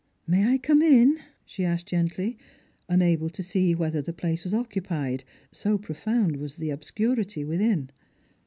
" May I come in?" she asked gently, unable to see whether the place was occupied, so profound was the obscurity within.